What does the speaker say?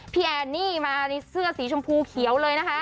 แอนนี่มาในเสื้อสีชมพูเขียวเลยนะคะ